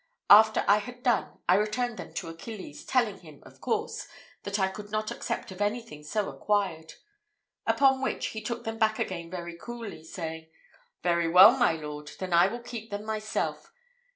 After I had done, I returned them to Achilles, telling him, of course, that I could not accept of anything so acquired; upon which he took them back again very coolly, saying, "Very well, my lord, then I will keep them myself.